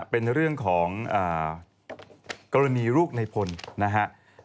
เป็นเรื่องของกรณีลูกในพลนะครับ